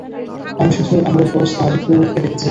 আমি শুধু আমাদের বস আর কুবুরকে দেখেছিলাম।